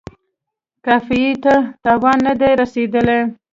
قافیې ته تاوان نه دی رسیدلی.